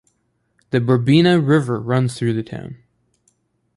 The Brebina River runs through the town.